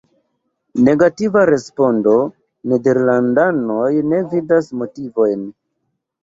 Negativa respondo- nederlandanoj ne vidas motivojn.